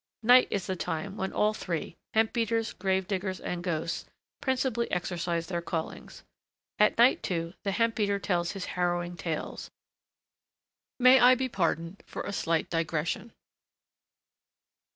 Night is the time when all three, hemp beaters, grave diggers, and ghosts, principally exercise their callings. At night, too, the hemp beater tells his harrowing tales. May I be pardoned for a slight digression.